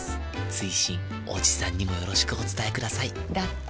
追伸おじさんにもよろしくお伝えくださいだって。